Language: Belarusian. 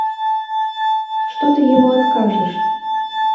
Што ты яму адкажаш?